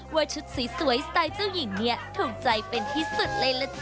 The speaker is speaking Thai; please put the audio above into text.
ว่าชุดสวยสไตล์เจ้าหญิงเนี่ยถูกใจเป็นที่สุดเลยล่ะจ๊